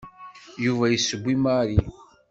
Yuba yesseww i Mary.